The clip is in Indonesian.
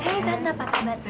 hei tante apa kabar